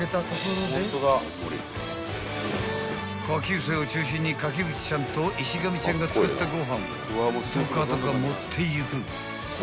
［下級生を中心に垣内ちゃんと石上ちゃんが作ったご飯をドカドカ盛っていく］